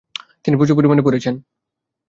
তিনি প্রচুর পরিমাণে পড়েছেন।